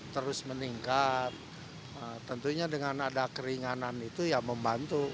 terus meningkat tentunya dengan ada keringanan itu ya membantu